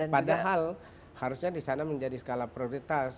padahal harusnya di sana menjadi skala prioritas